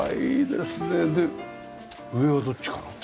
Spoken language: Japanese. で上はどっちかな？